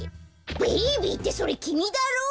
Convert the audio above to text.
「ベイビー」ってそれきみだろう！